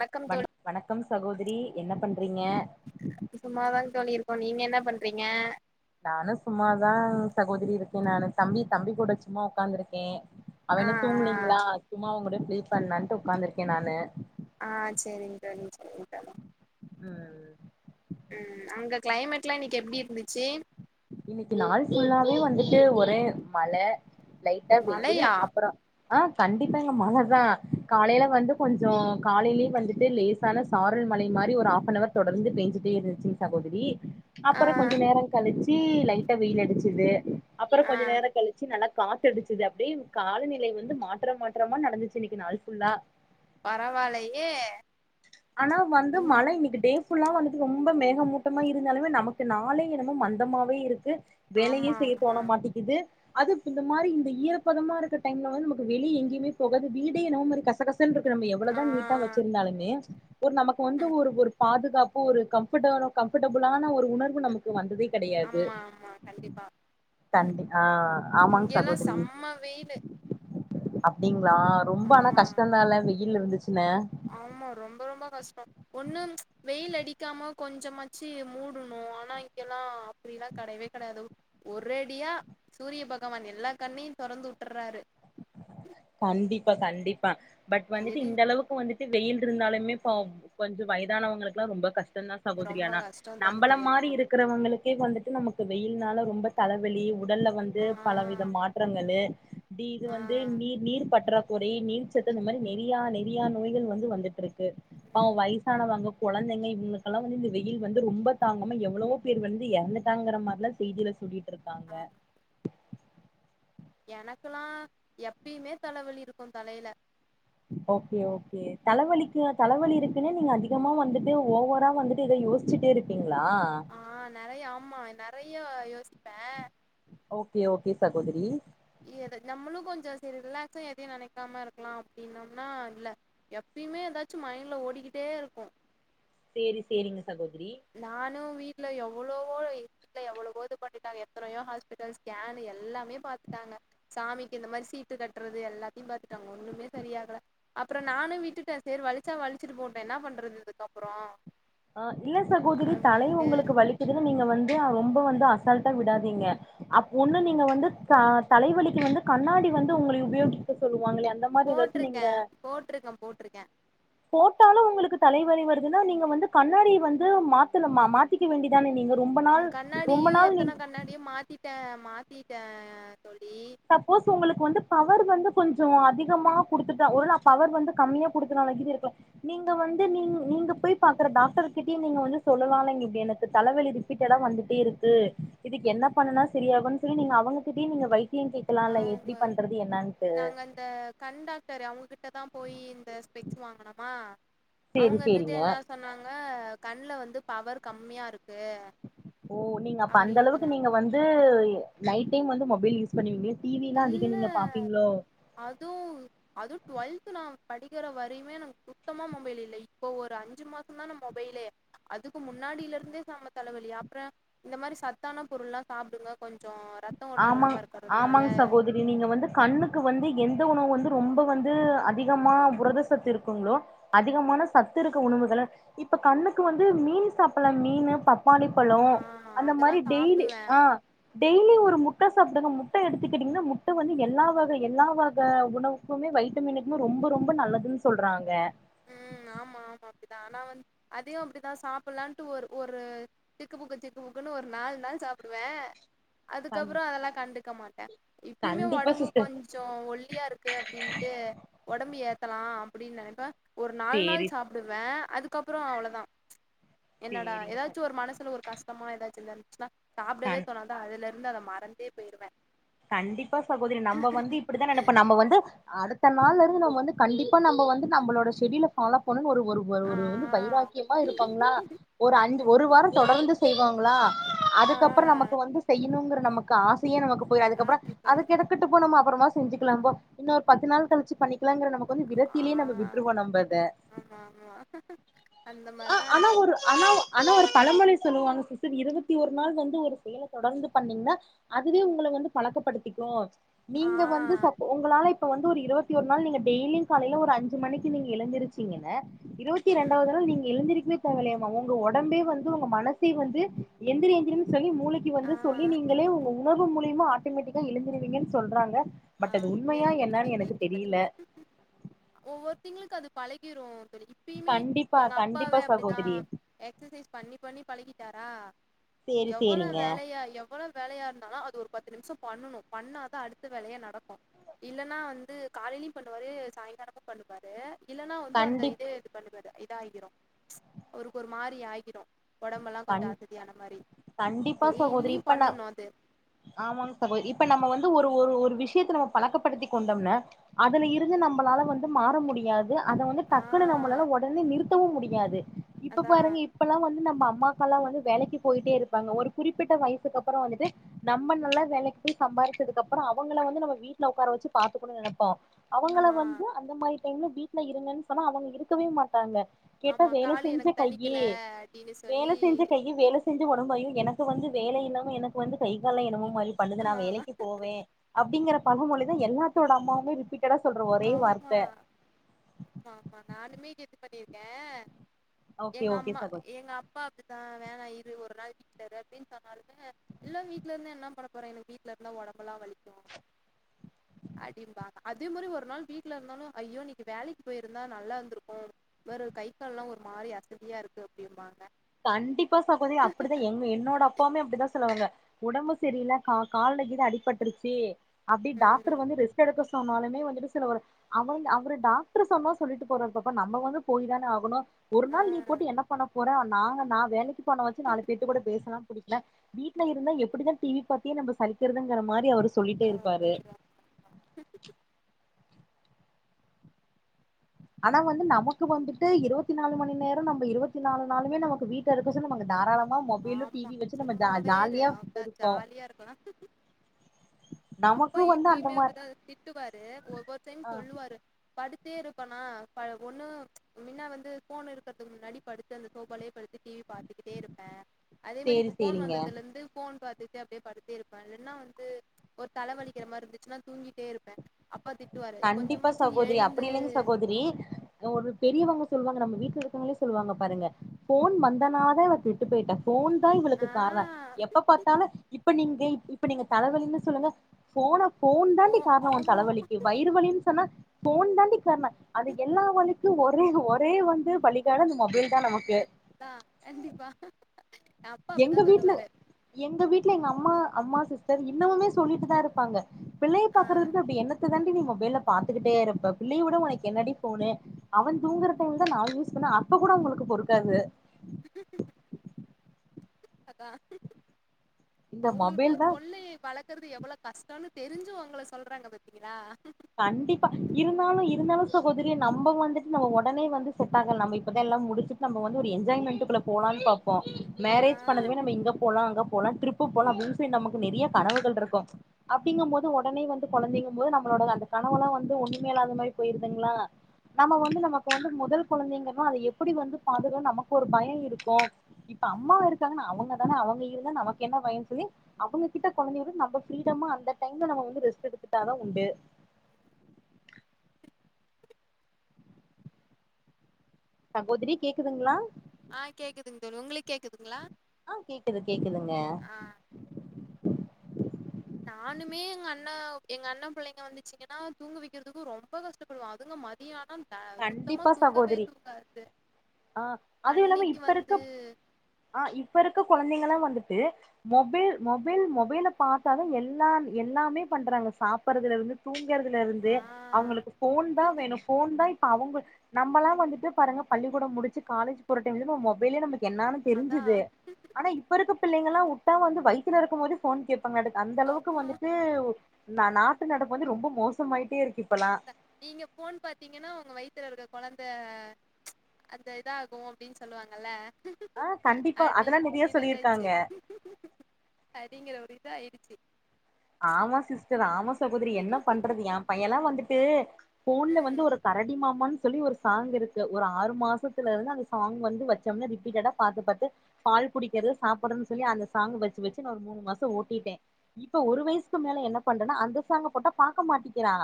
வணக்கம் தோழி வணக் வணக்கம் சகோதிரி என்ன பண்றீங்க சும்மாதா தோழி இருக்கோ நீங்க என்ன பண்றீங்க நானு சும்மாதா சகோதிரி இருக்கே நானு தம்பி தம்பி கூட சும்மா உக்காந்துருக்கே அவே ஆ இன்னு தூங்கலீங்களா சும்மா உங்கூட வெய்ட் பண்லான்ட்டு உக்காந்துருக்கே நானு ஆ ஆ சேரிங் தோழி சேரிங் தோழி ம் ம் ம் ம் அங்க க்ளைமேட்லா இன்னிக்கு எப்டி இ இன்னிக்கி நாள் ஃபுல்லாவே வந்துட்டு [unintelligible] ஒரே மல லைட்டா வெயில் மழையா அப்பறோ அ கண்டிப்பாங்க மழைதா காலையில வந்து கொஞ்சோ காலைலே வந்துட்டு லேசான சாரல் மலை மாரி ஒரு ஹாஃபனவர் தொடர்ந்து பேஞ்சுட்டே இருந்சுங் சகோதரி அ அப்புறோ கொஞ்ச நேரோ கழிச்சு லைட்டா வெயில் அடிச்சுது அப்பறோ ஆ கொஞ்ச நேர கழிச்சு நல்லா காத்தடிச்சுது அப்டே காலநிலை வந்து மாற்ற மாற்றமா நடந்துச்சு இன்னிக்கி நாள் ஃபுல்லா பரவாலையே ஆனா வந்து ம் மழை இன்னைக்கு டேஃபுல்லா வந்துட்டு ரொம் ரொம்ப மேகமூட்டமா இருந்தாலுமே நமக்கு நாளே என்னமோ மந்தமாவே இருக்கு வேலையே ஆமா செய்ய தோண ஆமா மாட்டிக்கிது அது இந்த மாதிரி இந்த ஈரப்பதமா இருக்க டைம்ல வந்து நமக்கு வெளிய எங்கேயமே போகாது வீடே என்னமோ மாரி கச கச னு இருக்கு நம்ம ஆ எவ்வளதா நீட்டா வச்சிருந்தாலு மே ஒரு நமக்கு வந்து ஒரு ஒரு பாதுகாப் பு ஒரு கம்ஃபர்ட கம்ஃபர்டபுளான ஒரு உணர்வு நமக்கு வந்ததே கெடையாது ஆமா ஆமா கண்டிப்பா கண்டி ஆ ஆமாங்க இங்கல்லா செம்ம வெயிலு அப்டிங்க ளா ரொம்ப ஆனா ஆமா கஷ்டந்தா இல்ல இல்ல வந்துச்சு ஆமா ரொம் ம் ஒண்ணு வெயில் அடிக்காம கொஞ்சமாச்சி மூடணு ஆனா இங்கல்லா அப்படில்லா கெடையவே கெடையாது ஒரேடியா சூரிய பகவான் எல்லா கண்ணையும் தொறந்து உட்டர்றாரு கண்டிப்பா கண்டிப் பா பட் வந்துட்டு எரி இந்த அளவுக்கு வந்துட் வெயில் இருந்தாலுமே பா கொஞ்சோ வயதானவங்களுக்கு எல்லா ரொம்ப கஷ் தா சகோதரி ரொம்ப ஆனா கஷ்டோந்தாங் நம்பள தோழி மாரி ஆமா இருக்கிறவங்களுக்கே வந்துட்டு நமக்கு வெயில்னால ரொம்ப தலவலி உடல்ல வந்து ஆ பலவித மாற்றங்களு டீ இது ஆ வந்து நீர் நீர் பற்றாக்குறை நீர்ச்சத்து இந்த மாரி நெறியா நெறியா நோய்கள் வந்து வந்துட்டு இருக் கு ஆ ம் வயசானவாங்க கொழந்தைங்க இவுங்களு கெல்லா வந்து இந்த வெயில் வந்து ரொம்ப தாங்காம எவ்ளோ பேர் வந்து இறந்துட்டாங்க மாரி லா செய்தில சொல்லிட் இருக்காங்க எனக்குல்லா எப்பயுமே தலவலி இருக்கு தலையில ஓகே ஓகே தலவலிக்கு தலவலி இருக்குன்னு நீங்க அதிகமா வந்துட்டு ஓவரா வந்துட்டு இத யோசிச்சுட்டே இருப்பீங் ஆ நெறைய ஆமா நெ நெறையோ யோசிப்பே ஓகே ஓகே சகோதிரி செரி ரிலாக்ஸா எதையு நெனைக்காம இருக்கலா அப்டின்னம்னா இல்ல எப்பியுமே ஏதாச்சு மைண்ட்ல ஓடிக்கிட்டே இருக்கு சேரி சேரிங்க சகோதரி நானு வீ வீட்டுல எவ்ளோவோ வீட்ல எவ்வளவோ இது பண்ணிட்டாங்க எத்தனையோ ஹாஸ்பிட்டல் ஸ்கேனு எல்லாமே பாத்துட்டாங்க சாமிக்கு இந்த மாரி சீட்டு கட்டுறது எல்லாத்தையு பாத்துட்டாங்க ஒண்ணுமே சரியாகல அப்புற நானு விட்டுட்ட சரி வலிச்சா வலிச்சிட்டு போட்டு என்ன பண்றது இதுக்கப்புறோ ஆ இல்ல சகோதரி தலை உங்களுக்கு வலிக்குதுன் நீங்க வந்து ரொம்ப வந்து அசால் விடாதீங்க அ ஒன்னு நீங்க வந்து ஆ தா தலைவழிக்கு வந்து கண்ணாடி வந்து உங்களை உபயோகிக்க சொல்லுவாங்களே அந்த மாரி ஏதச்சு நீங்க போட்டிருக்கேன் போட்டிருக்கேன் போட்டிருக்கேன் போட்டாலு உங்களுக்கு தலைவலி வ ட்ரு ன்னா நீங்க வந்து கண்ணாடிய வந்து மாத்தனுமா மாத்திக்க வேண்டிதான நீங்க ரொம்ப நாள் ரொம்ப கண்ணாடியு நாள் நீங்க எத்தன கண்ணாடியு மாத்திட்ட மாத்தி யே சப்போஸ் உங்களுக்கு வந்து பவர் வந்து கொஞ்சோ அதிகமா குடுத்துட்டா ஒரு ளா பவர் வந்து கம்மியா குடுத்தனால கீது இருக்கலா நீங்க வந்து நீ நீங்க போய் பாக்குற டாக்டர் கிட்டயே நீங்க வந்து சொல்லலாலைங்க இப்டி எனக்கு தலவலி ரிப்பீட்டடா வந்துட்டே இருக்கு இதுக்கு என்ன பண்ணனா செரி ஆகுன் சொல்லி நீங்க அவுங்ககிட்டயே நீங்க வை கேக்கலா இல்ல அவங்க எப்டி பண்றது என்னான்ட்டு தா போய் இந்த ஸ்பெக்ஸ் வாங்கனமா சேரி அவுங்க இருந்துட்டு சேரிங்க என்ன சொன்னாங்க அப்ப கண்ல வந்து பவர் கம்மியா இருக் ஓ நீங்க அப்ப அந்த அளவுக்கு சொன்னாங்க நீங்க வந்து நைட் டைம் வந்து மொபைல் யூஸ் பண்ணுவீங்க டிவிலா அதிகோ இல்ல நீங்க பாப்பீங்களோ அது அதுவு டுவெல்த நா படிக்கிற வரையுமே நமக்கு சுத்தமா மொபைல் இல்ல இப்போ ஒரு அஞ்சு மாச தா நா மொபைலே அதுக்கு முன்னாடிலே இருந்தே செம தலவலி அப்புறம் இந்த மாரி சத்தான பொருள்லாம் சாப்டுங்க கொஞ்ச ஆமா ஆ ஆமாங்க சகோதரி நீங்க வந்து கண்ணுக்கு வந்து எந்த உணவு வந்து ரொம்ப வந்து அதிகமா புரத சத்து இருக்குங்களோ அதிகமான சத்து இருக்க உணவுக இப்ப கண்ணுக்கு வந்து மீன் சாப்பிடலாம் மீனு ப பப்பாளிபழ ஆ அந்த மாரி அதெல்லாம் டெய்லி சாப்பிடுவேன் ஆஹ் டெய்லி ஒரு முட்ட சாப்டுங்க முட்ட எடுத்துக்கிட்டிங்கன்னா முட்ட வந்து எல்லா வக எல்லா வக உணவுக்குமே வைட்டமினுக்குமே ரொம்ப ரொம்ப நல்லதுன்னு சொல்றாங்க உஹம் ஆமா ஆமா அப்டிதா ஆனா வந்து அதயும் அப்படிதா சாப்பிடலான்ட்டு ஒரு ஒரு சிக்கு புக்கு சிக்கு புக்குன்னு ஒரு நாலு நாள் சாப்பிடுவே கண் அதுக்கப்புறம் அதெல்லாம் கண்டு கமாட்ட இப்பயுமே கண்டிப்பா ஒடம்பு சிஸ்டர் கொஞ்ச ஒல்லியா இருக்கு அப்டின்ட்டு ஒடம்பு ஏத் லாம் அப்டினு நெனப்ப ஒரு நாலு சேரி நாள் சாப்பிடுவ அதுக்கப்புற அவ்ளோதா என்னடா சேரிங்க ச எதாச்சு ஒரு மனசுல ஒரு கஷ்டமா எதாச்சு இல்ல சாப்டவே கண் தோணாதா அதுல வந்து அத மறந்தே போய்ருவ கண்டிப்பா சகோதரி நம்ப வந்து இப்டிதா நெனப்போ நம்ப வந்து அடுத்த நாளு வந்து கண்டிப்பா நம்ப வந்து நம்மளோட ஷெடியூல ஃபாலோ பண்ணு ஒரு ஒரு ஆ ஒரு வந்து வைராக்கியமா இருப்பாங்களா ஒரு அஞ்சு ஒரு வாரம் தொடர்ந்து செய்வாங்களா ஆ அதுக்கப்பறம் நமக்கு வந்து செய்யணுங்கிற நமக்கு ஆசயே நமக்கு போய அப்புறம் ஆத்தி அது போயிரு கெடக்கட்டு போ நம்ம அப்புறமா செஞ்சுக்கலாபோ இன்னொரு பத்து நாள் களிச்சி பண்ணிக் நமக்கு வந்து ஆ விரத்திலயே நம்ப விட்டுருவோ நம்ப அத ஆமா ஆமா அந்த மாரிதா ஆனா ஆச்சு ஒரு ஆனா ஆனா ஒரு பழமொழி சொல்லுவாங்க சிஸ்டர் இருபத்தி ஒரு நாள் வந்து ஒரு செயல தொடர்ந்து பண்ணீங்கன்னா அதுவே உங்கள வந்து பழக்கப்படுத்திக்கு ஆ நீங்க வந்து சப் உங்களால இப் இப்ப வந்து ஒரு இருவத்தி ஒரு நாளு நீங்க டெய்லி காலயில ஒரு அஞ்சு மணிக்கு நீங்க எந்திருச்சிங்கன்ன இருவத்தி ம் ரெண்டாவது நாள் நீங்க எழுந்திருக்குவே லைய உங்க ஒடம்பே வந்து உங்க மனசே வந்து எந்திரி எந்திரினு சொல்லி மூலைக்கு ஆ வந்து சொல்லி நீங்களே உங்க உணவு மூலியமா ஆட் ஆட்டமெட்டிக்கா எழுந்திருவீங்கனு சொல்றாங்க ஆ பட் அது உண்மையா கேள்விப்பட்டிருக்க என்னன்னு எனக்கு தெரியல கேள்விப்பட்டிருக்க ஒவ்வொரு தங்களுக்கு அது பழ க்கிறோ இப்பயுமே கண்டிப்பா எங்க கண்டிப்பா அப்பாவே அப்டிதா சகோதரி எக்சசைஸ் பண்ணி பண்ணி பழகிட்டாரு சேரி எவ்ளோ சேரிங்க வேலயா எவ்ளோ வேலயா இருந்தாலு அது ஒரு பத் பத்து நிமிஷம் பண்ணணு பண்ணாதா அடுத்த வேலயே நடக்கும் இல்லன்னா வந்து காலையு பண்ணுவாரு சாயங்காலமு பண்ணுவாரு இல்லன்னா வந்து அந்த கண்டிப் இதே இது பண்ணு இதாகிரும் அவருக்கு ஒரு மாரி ஆகிரும் உடம்பெல்லாம் கண் கொஞ்சம் அசதியான மாரி கண்டிப்பா சகோதரி டெய்லியும் இப்ப நா பண்ணணும் அது ஆமாங் சகோதரி இப்ப நம்ம வந்து ஒரு ஒரு விஷயத்த நம்ம பழக்கப்படுத்தி கொண்டம்னா அதுல இருந்து நம்பளால வந்து மாற முடியாது அத வந்து டக்குனு ஆஹ் நம்பளால உடனே நிறுத்தவு முடியாது இப்ப அதான் பாருங்க இப்பெல்லாம் வந்து நம் நம்ம அம்மாக்கெல்லாம் வந்து வேலைக்கு போயிட்டே இருப்பாங்க ஒரு குறிப்பிட்ட வயசுக்கு அப்புறம் வந்துட்டு நம்ம நல்லா வேலைக்கு போய் சம்பாரிச்சதுக்கு அப்புறம் அவங்கள வந்து நம்ம வீட்ல உட்கார வெச்சு பாத்துக்கண்னுனு நெனப்போ அவங்கள ஆஹ் வந்து அந்த மாரி டைம்ல வீட்ல இருங்கனு சொன்னா அவங்க இருக்கவே மாட்டாங்க கேட்டா ஆமா வேல காலு செஞ்ச எனக் தணிக்கல கையி அப்டின்னு வேல செஞ்ச கைய்யி வேல செ செஞ்ச ஒடம்பையு எனக்கு வந்து வேலயில்லாம எனக்கு வந்து கை காலு என்னமோ மாரி பண்ணுது நா ஆஹ் வேலைக்கு போவே அப்டிங்குற பழமொழிதா எல்லாத்தோட அம்மாவுமே ரிப்பீட் ஆமா மா ஆமா நானுமே நீ என்ன பண்ணிருக்க ஓகே எங்க ஓகே அம்மா சகோ எங்க அப்பாக்கு ஆஹ் வேணா இரு ஒரு நாளு வீட்ல ரு அப்டின்னு சொன்னாலுமே இல்லா வீட்ல இருந்து என்ன பண்ண போற எனக்கு வீட்ல இருந்தா ஒடம்பெல்லா வலிக்கு அடிம்பாங்க அதே மாரி ஒரு ஒரு நாள் வீட்ல இருந்தாலு ஐயோ இன்னிக்கு வேலைக்கு போய்ருந்தா நல்லா இருந்துருக்கு வேற கை கால்லா ஒரு மாரி அசதியாருக்கு அப்டிம்பாங்க கண்டிப்பா சகோதரி அப்புடிதா எங்க என்னோட அப்பாவுமே அப்டிதா சொ சொல்லுவாங்க உடம்பு சரியில்ல கா கால்ல கீது அடிபட்ருச்சு அப்டி டாக்டர் ம் வந்து ரெஸ்டெடுக்க சொ சொன்னாலுமே வந்துட்டு சில ஒரு அவுங் அவுரு டாக்டர் சொன்னா சொல்லிட்டு போறாரு பாப்பா நம்ப வந்து போய் தான ஆகணு ஒரு ஆ நாள் லீவ் போட்டு என்ன பண்ண போற அந் நாங்க நா வேலக்கி போனவாச்சு நாளு பேர்துகூட பேசலா புடிகலா வீட்ல இருந்தா எப்பிடிதா டிவி பாத்தியே நம்ப சலிக்குறதுங்குற மாரி அவரு சொ ஆ, சொல்லிடேருப்பாரு சரிதான். ஆனா வந்து நமக்கு வந்துட்டு இருவத்தி நாலு மணி நேரமு நம்ப இருவத்தி நாலு நாளுமே நமக்கு வீட்ல இருக்க சொன்னா நம்ப தாராள ஆமா சும்மாவே இரு அதா இருப்போ ஜாலியா இருக்குரோ அப்பா நமக்கு வந்து அந்த இப்பயுமே மாரி அப்டிதா திட்டுவாரு ஒவ்வொரு டைம் ஆ சொல்லுவாரு படு த்தே இருப்பனா ப ஒண்ணு ம்ச் மின்ன வந்து ஃபோனிருக்குறதுக்கு முன்னாடி படுத்து அந்த சோபாலயே படுத் து டி வி பாத்துக்குட்டே இருப் அ அதே மாரி சேரி இப்ப ஃபோன் சேரிங்க வந்ததுலேந்து ஃபோ ஃபோன் பாத்துட்டே அப்டியே பாத்துக்டே இருப்பா இல்லன்னா வந்து ஒரு தல வலிக்குற மாருந்துச்சுன்னா தூங்கிட்டே இருப்ப கண்டிப்பா சகோதரி அப்டி எழுந்து இல்லைங் சகோதரி ஒரு பெரியவங்க சொல்வாங்க நம்ப வீட்ல ருக்கவங்களே சொல்லுவாங்க பாருங்க ஃபோன் வந்தனால அவ கெட்டு போய்டா ஃபோன்தா இவளுக்கு ஆ கார்ண எப்பப்பாத்தாலு இப்ப நீங்க இ இப்ப நீங்க தல வலினு சொல்லுங்க ஃபோன ஃபோன்தாண்டி கார்ணொ ஓ த்ல வலிக் வயிறு வலின் சொன்னா ஃபோன் தாண்டி கார்ண அது எல்லா வலிக் கு ஒரே ஒரே வந்து பலிகாடு அந்த மொபைல் தா நமக்கு அத்தா கண்டிப்பா என் அப்பா எங்க அப்படிதான் வீட்ல சொல்லுவாரு எங்க வீட்ல எங்க அம்மா அம்மா சிஸ் டர் இன்னமுமே சொல்லிட்டு தா இருப்பாங்க பிள்ளைய ஆ பாக்கர்துந்து அப்டி என்னத்த தான் டி நீ மொபைல்ல பாத்துக்கிட்டே இருப்ப பிள்ளைய உட ஒனக்கு என்னடி ஃபோனு அவன் தூங்குற டைம்லதா நா யூஸ் பண்ண அப்பக் கூட உங்களுக்கு பொறுக்காது அதா இந்த அவுங்களுக்கு மொபைல் ஒரு தா கொள்ளையை வளக் கறது எவ்வளோ கஷ்டன்னு தெரிஞ்சு ஒங்கள சொல்றாங்க பத்தீங்களா கண்டிப்பா இருந்தாலு இருந்தாலு சகோதரி நம்ப வந்துட்டு நம்ப ஒடனே வந்து செட் ஆகல் நம்ப இப்பதா எல்லாம் முடிச்சிட்டு நம்ப வந்து ஒரு என்ஜாய்மெண்ட்டுக்குள்ள போலான் பாப்போ ஆ மேரேஜ் பண்ணதுமே நம்ப இங்க போலாம் அங்கப் போலா ட்ரிப்பு போலா அப்டினுட்டு நமக்கு நெறைய கனவுகள் இருக்கும் அப்படிங்கும் போது ஒடனே வந்து கொழந்தைன்னும் போது நம்பளோட அந்த கணவெல்லா வந்து ஒன்னுமே இல்லாத மாரி போயிருதுங்களா நம்ம ஒ நமக்கு வந்து மொதல் கொழந்தைங்கன்னா அத எப்படி வந்து பாதுகணு நமக்கு ஒரு பயம் இருக்கும் இப்ப அம்மா இருக்காங்கன்னா அவங்க தான அவங்க இருந்தா நமக்கென்ன பயம் சொல்லி அவங்ககிட்ட கொழந்தைய நம்ம ஃபீரடமா அந்த டைம்ல நம வந்து ரெஸ்ட் எடுத்துட்டாதா உண்டு சகோதரி கேக்குதுங்களா ஆ கேக்குதுங்க தோழி உங்களுக்கு கே ஆஹ் கேக்குது கேக்குதுங்க ஆ நானுமே எங்க அண்ண எங்க அண்ணன் புள்ளைங்க வந்துச்சீங்கன்னா தூங்க வெக்கறதுக்கு ரொம்ப கஷ்டப்படுவ அதுங்க மதியம் ஆனா த சுத்தமா கண்டிப்பா தூங்கவே சகோதரி தூங்காது ஆஹ் அதும் இல்லாம அன்னைக்கு இப்ப இருக்க வந்து ஆஹ் இப்ப இருக்க கொழந்தைங்களா வந்து து மொபைல்-மொபைல்- மொபைல பாத்தாதான் எல்லாம் எல்லாமே பண்றாங்க சாப்படுறதுல இருந்து தூங்குறதுல இருந்து ஆ அவங்களுக்கு ஃபோன் தான் வேணு ஃபோன் தான் அவங்க நம்மல்லா வந்துட்டு பாருங்க பள்ளிக்கூடம் முடிச்சு காலேஜ் போற டைம்லயுமே மொபைலே நம்ப என்னான்னு அதா தெரிஞ்சுது ஆனா இப்ப இருக்க பிள்ளைங் இதெல்லா உட்டா வந்து வயித்துல இருக்கும் போதே ஃபோன் கேப் காட்டுர்கு அந்த அளவுக்கு ஆமா வந்துட்டு நான் நாட்டு நடப்பு வந்து ரொம்ப மோசமாயிட்டே இருக்கு இப்பல்லா த நீங்க ஃபோன் பாத்தீங்கன்னா உங்க வயித் யித்துல இருக்க கொழந்த அந்த இதாகு அப்டின்னு சொல்லுவாங்கல்ல ஆ கண்டிப்பா அதெல்லா நெறைய சொல்லியிருக்காங்க அடிங்கதாச்சு அடிங்கற ஒரு இத ஆயிரு ஆமா சிஸ்டர் ஆமா சகோதரி என்ன பண்றது ஏ பையல்லா வந்துட்டு ஃபோன்ல வந்து ம் ஒரு கரடி மாமான்னு சொல்லி ஒரு சாங் இருக்கு ஒரு ஆறு மாசத்துலருந்து அந்த சாங் வந்து வச்சம்னா ரிப்பீட்டடா பாத்து பாத்து பால் குடிக்கறது சாப்பட்றதுன்னு சொல்லி அந்த சாங் வச்சு வச்சு நான் ஒரு மூணு மாசம் ஓட்டிட்டேன் இப் இப்ப ஒரு வயசுக்கு மேல என்ன பண்றனா அந்த சாங்க போட்டா பாக்க மாட்டிக்கிறா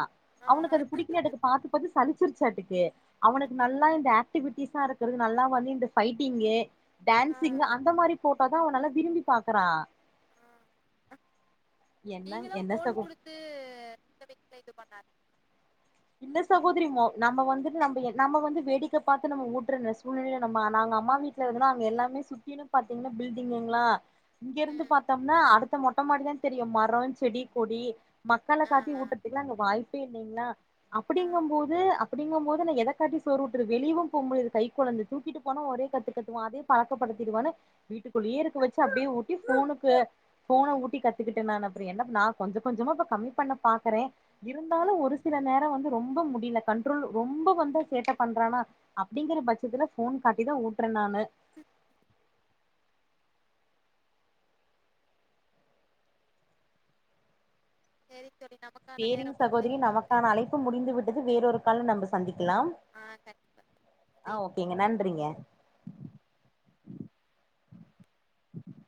ஆ அவனுக்கு அது புடிக்கலையாட்டுக்கு பாத்து பாத்து சலிச்சிருச்சாட்டுக்கு அவனுக்கு நல்லா இந்த ஆக்டிவிட்டிஸா இருக்கறது நல்லா வந்து இந்த ஃபைட்டிங்கு ஆ டான்சிங் அந்த மாரி போட் இப்பதா அவ நல்லா விரும்பி பாக்கறா ம் நீங்களு என்ன ஃபோன் சகோ குடுத்து இந்த [unintelligible] இது பண்ணாதிங் இல்ல சகோதரிமோ நம்ம வந்துட்டு நம்ம நம்ம வந்து வேடிக்க பாத்து நம்ம ஊட்டுறன சூழ்நிலை நம்ப ஆனா அங்க அம்மா வீட்ல இருனா அங்க எல்லாமே சுத்தினு பாத்தீங்கனா பில்டிங்குங்களா இங்க இருந்து ம் பாத்தோம்னா அடுத் மொட்டை மாடிதா தெரியு மரோ செடி கொடி மக்களை ஆ காட்டி ஆ ஊட்டுறதுக்குலா அங்க வாய்ப் ப்பேல்லீங்களா ஆ அப்டிங்க போது அப்புடிங்கும் போது நா எதக்காட்டி சோற் ஊட்றது வெளியவு போக முடியாத் கை கொழந்த தூக்கிட்டு போனா ஒரே கத்து கத்துவா அதே பழக்கப்படுத்திடுவான்னு வீட்டுக்குள்ளியே இருக் வச்சி அப்டியே ஊட்டி போனுக்கு போன ஊட்டி கத்துக்கிட்டே நானு அப்புற என்ன நா கொஞ்ச கொஞ்சமா இப்ப கம்மி பண்ண பாக்குறே இருந்தாலு ஒரு சி சில நேர வந்து ரொம்ப முடியல கண்ட்ரோல் ரொம்ப வந்து சேட்டை பண்றானா அப்டிங்கற பட்சத்துல ஃபோன் காட்டி தா ஊட்டுறே நானு செரி. சேரிங் சகோதிரி நமக்கான அழைப்பு முடிந்து விட்டது வேறொரு கால்ல நம்ப சந்திக்லாம் ஆ கண்டிப்பா நன்றி ஆ ஓக்கேங்க நன்றிங்க